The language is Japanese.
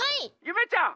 ゆめちゃん！